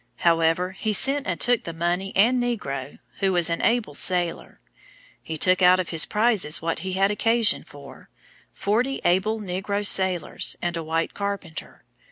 However, he sent and took the money and negro, who was an able sailor. He took out of his prizes what he had occasion for, forty able negro sailors, and a white carpenter.